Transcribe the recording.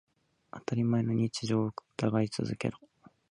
当たり前の日常を疑い続けろ。